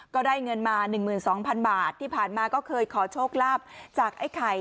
ก็ได้เงินมา๑๒๐๐๐บาทที่ผ่านมาก็เคยขอโชคลาภจากไอ้ไข่